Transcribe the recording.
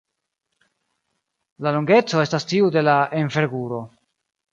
La longeco estas tiu de la enverguro.